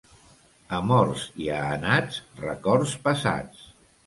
A morts i a anats, records passats.